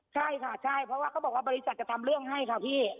ใช่ค่ะใช่เพราะว่าเขาบอกว่าบริษัทจะทำเรื่องให้ค่ะพี่